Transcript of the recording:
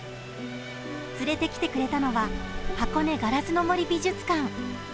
連れてきてくれたのは箱根ガラスの森美術館。